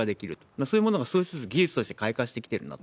そういうものが技術として開花してきているなと。